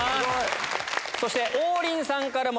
そして。